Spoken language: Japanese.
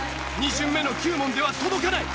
２巡目の９問では届かない。